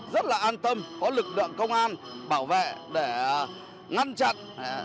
rất là an tâm có lực lượng công an bảo vệ để ngăn chặn